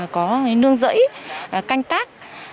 có nương rẫy canh tác